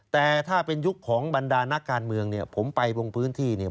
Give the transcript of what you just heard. แต่ถ้าเป็นยุคของบรรดานักการเมืองเนี่ยผมไปลงพื้นที่เนี่ย